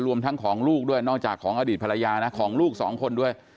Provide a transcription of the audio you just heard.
รวมทั้งของลูกด้วยนอกจากของอดีตภรรยานะของลูกสองคนด้วย